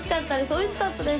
おいしかったです。